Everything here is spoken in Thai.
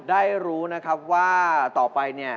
ได้รู้นะครับว่าต่อไปเนี่ย